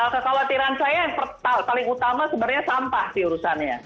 kekhawatiran saya yang paling utama sebenarnya sampah sih urusannya